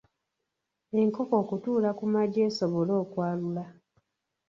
Enkoko okutuula ku magi esobole okwalula